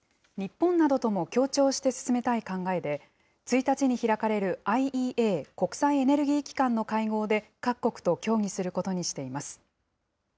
日本などとも協調して進めたい考えで、１日に開かれるＩＥＡ・国際エネルギー機関の会合で、各国と協議